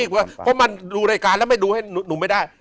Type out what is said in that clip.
เพราะมันดูรายการแล้วไม่ดูให้หนูไม่ได้